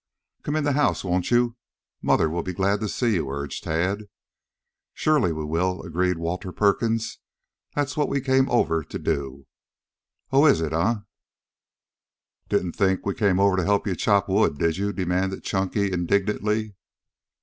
"Come in the house, won't you? Mother'll be glad to see you," urged Tad. "Surely we will," agreed Walter Perkins. "That's what we came over to do." "Oh, it is, eh?" "Didn't think we came over to help you chop wood, did you?" demanded Chunky indignantly.